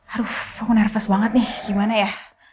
aduh aku nervous banget nih gimana ya